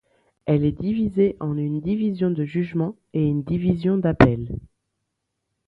Elle est divisée en une division de jugement et une division d'appel.